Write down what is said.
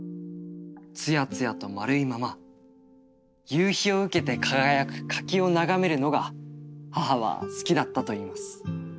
つやつやと丸いまま夕陽を受けて輝く柿を眺めるのが母は好きだったと言います。